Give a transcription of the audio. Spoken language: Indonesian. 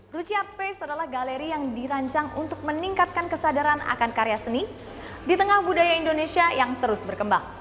ruchi art space adalah galeri yang dirancang untuk meningkatkan kesadaran akan karya seni di tengah budaya indonesia yang terus berkembang